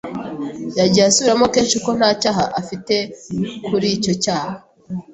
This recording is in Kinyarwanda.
Yagiye asubiramo kenshi ko nta cyaha afite kuri icyo cyaha.